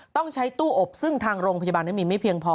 ต้องใช้ตู้อบซึ่งทางโรงพยาบาลนั้นมีไม่เพียงพอ